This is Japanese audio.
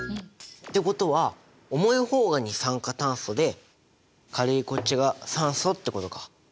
ってことは重い方が二酸化炭素で軽いこっちが酸素ってことか！